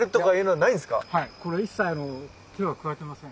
はいこれ一切手は加えてません。